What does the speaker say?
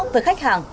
với khách hàng